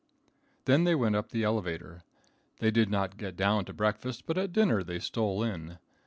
Then they went up the elevator. They did not get down to breakfast, but at dinner they stole in.